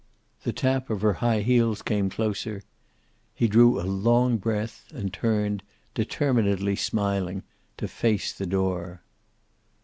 The tap of her high heels came closer. He drew a long breath and turned, determinedly smiling, to face the door.